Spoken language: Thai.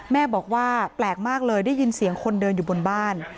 แม่บอกว่าแปลกมากเลยได้ยินเสียงคนเดินอยู่บนบ้าน